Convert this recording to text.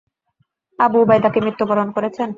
Abu Ubaidah কি মৃত্যুবরণ করেছেন?